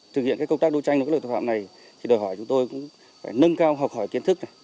thực hiện công tác đối tranh với tội phạm này thì đòi hỏi chúng tôi cũng phải nâng cao học hỏi kiến thức